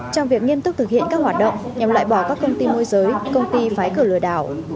trong việc nghiêm túc thực hiện các hoạt động nhằm loại bỏ các công ty môi giới công ty phái cử lừa đảo